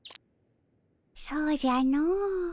そうじゃの。